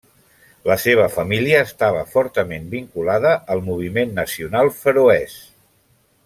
La seva família estava fortament vinculada al moviment nacional feroès.